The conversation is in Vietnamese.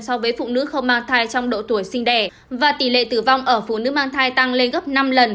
so với phụ nữ không mang thai trong độ tuổi sinh đẻ và tỷ lệ tử vong ở phụ nữ mang thai tăng lên gấp năm lần